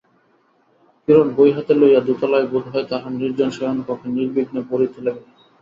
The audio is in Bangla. কিরণ বই হাতে লইয়া দোতলায় বোধহয় তাহার নির্জন শয়নকক্ষে নির্বিঘ্নে পড়িতে গেল।